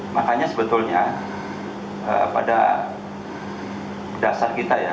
makanya sebetulnya pada dasar kita ya